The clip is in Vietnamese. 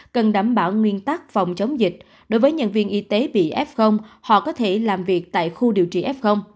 cần đảm bảo nguyên tắc phòng chống dịch đối với nhân viên y tế bị f họ có thể làm việc tại khu điều trị f